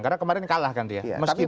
karena kemarin kalah kan dia